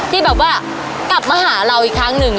ที่แบบว่ากลับมาหาเราอีกครั้งหนึ่ง